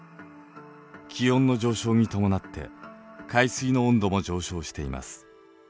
気温の上昇に伴って海水の温度も上昇しています。